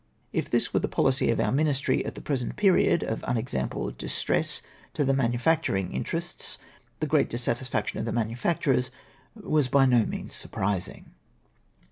If this were the policy of our ministry at the present period of unexampled distress to the manufacturino; interests, the ^reat dissatisfaction of the manufacturers was by no means surprising.